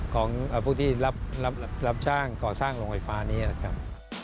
ของผู้ที่รับจ้างก่อสร้างโรงไฟฟ้านี้นะครับ